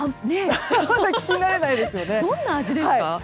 どんな味ですか？